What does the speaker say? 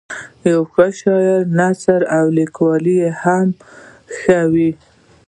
د یوه ښه شاعر نثر او لیکوالي هم ښه وه.